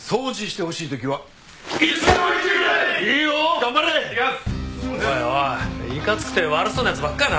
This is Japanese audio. おいおいいかつくて悪そうな奴ばっかだな。